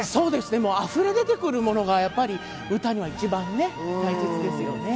あふれ出てくるものが歌には一番大切ですよね。